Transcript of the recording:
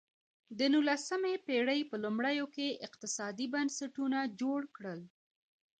د نولسمې پېړۍ په لومړیو کې اقتصادي بنسټونه جوړ کړل.